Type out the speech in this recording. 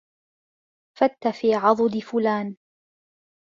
فت في عضد فلان